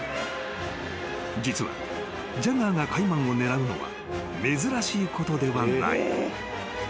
［実はジャガーがカイマンを狙うのは珍しいことではない］